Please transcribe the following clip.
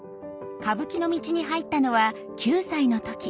歌舞伎の道に入ったのは９歳の時。